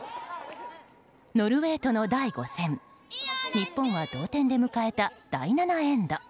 ノルウェーとの第５戦日本は同点で迎えた第７エンド。